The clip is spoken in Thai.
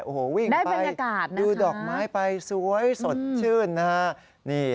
โอ้โหวิ่งไปดูดอกไม้ไปสวยสดชื่นนะครับได้บรรยากาศนะครับ